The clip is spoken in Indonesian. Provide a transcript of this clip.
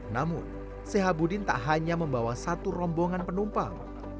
namun sehabudin tak hanya membawa satu rombongan penumpang